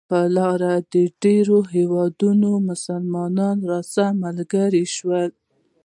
پر لاره د ډېرو هېوادونو مسلمانان راسره ملګري شول.